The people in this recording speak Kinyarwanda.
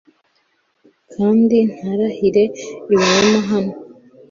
kandi ntarahire ibinyoma hano